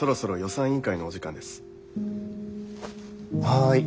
はい。